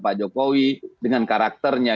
pak jokowi dengan karakternya